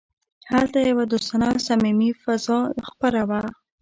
هلته یوه دوستانه او صمیمي فضا خپره وه